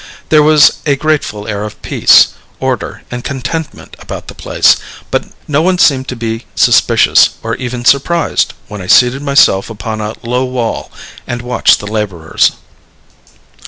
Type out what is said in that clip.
There was a grateful air of peace, order, and contentment about the place; no one seemed to be suspicious, or even surprised, when I seated myself upon a low wall, and watched the laborers.